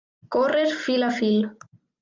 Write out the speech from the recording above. Córrer fil a fil.